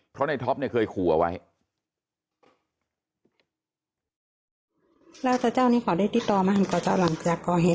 เพราะในท็อปเนี่ยเคยขู่เอาไว้